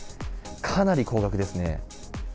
かなり高額ですね。